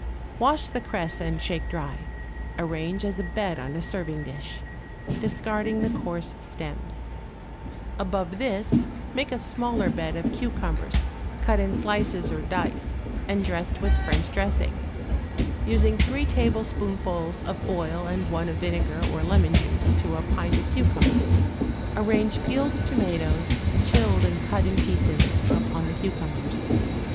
= Wash the cress and shake dry; arrange as a bed on a serving dish, discarding the coarse stems; above this make a smaller bed of cucumbers, cut in slices or dice and dressed with French dressing, using three tablespoonfuls of oil and one of vinegar or lemon juice to a pint of cucumber. Arrange peeled tomatoes, chilled and cut in pieces, upon the cucumbers.